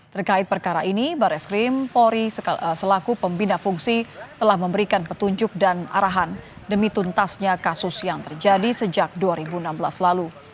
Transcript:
terkait perkara ini barreskrim polri selaku pembina fungsi telah memberikan petunjuk dan arahan demi tuntasnya kasus yang terjadi sejak dua ribu enam belas lalu